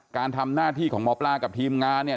การทำหน้าที่ของหมอปลากับทีมงานเนี่ย